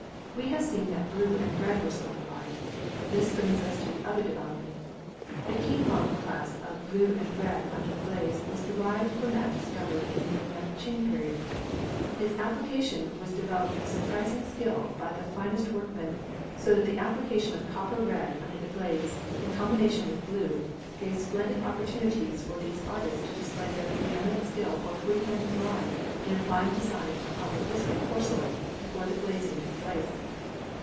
We have seen that blue and red were so applied. This brings us to the other development. The Keen lung class of blue and red under the glaze was derived from that discovered in the Yung ching period. Its application was developed with surprising skill by the finest workmen, so that the application of copper red under the glaze, in combination with blue, gave splendid opportunities for these artists to display their pre eminent skill for freehand drawing in applying designs upon the biscuit porcelain before the glazing took place.